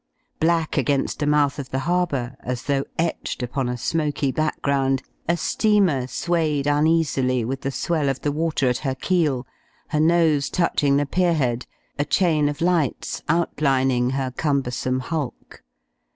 Black against the mouth of the harbour, as though etched upon a smoky background, a steamer swayed uneasily with the swell of the water at her keel, her nose touching the pier head, a chain of lights outlining her cumbersome hulk.